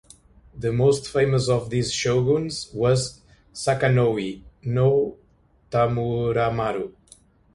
The most famous of these shoguns was Sakanoue no Tamuramaro.